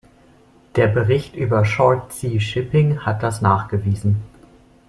Der Bericht über shortsea shipping hat das nachgewiesen.